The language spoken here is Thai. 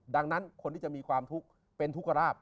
ดังนั้นคนที่จะมีความทุกข์เป็นทุกราบ